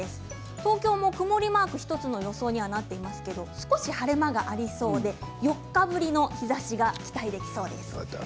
東京も曇りマーク１つの予報になっていますが少し晴れ間がありそうで４日ぶりの日ざしが期待できそうです。